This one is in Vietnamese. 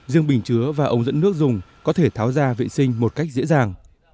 riêng bình chứa và ống dẫn nước dùng có thể tháo ra vệ sinh một cách dễ dàng